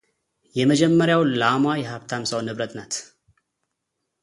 የመጀመሪያው፣ ላሟ የሃብታም ሰው ንብረት ናት፡፡